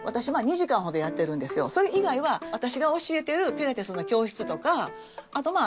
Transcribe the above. それ以外は私が教えてるピラティスの教室とかあとまあ